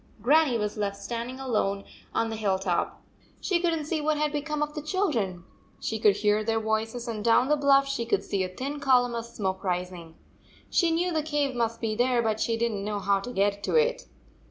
Grannie was left standing alone on the hill top. She could n t see what had be come of the children. She could hear their voices, and down the bluff she could see a thin column of smoke rising. She knew the cave must be there, but she did n t know how to get to it.